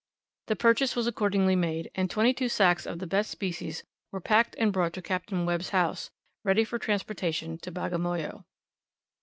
The purchase was accordingly made, and twenty two sacks of the best species were packed and brought to Capt. Webb's house, ready for transportation to Bagamoyo.